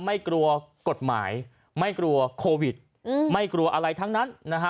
ไม่กลัวกฎหมายไม่กลัวโควิดไม่กลัวอะไรทั้งนั้นนะฮะ